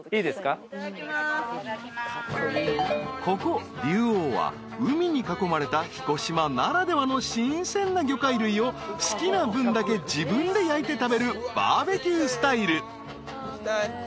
［ここ流王は海に囲まれた彦島ならではの新鮮な魚介類を好きな分だけ自分で焼いて食べるバーベキュースタイル］